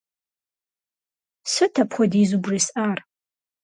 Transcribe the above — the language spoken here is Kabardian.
Сыт апхуэдизу бжесӀар?